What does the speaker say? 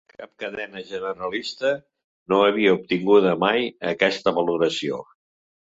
Cap cadena generalista no havia obtinguda mai aquesta valoració.